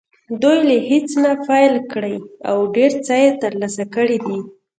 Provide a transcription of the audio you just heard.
دوی له هېڅ نه پیل کړی او ډېر څه یې ترلاسه کړي دي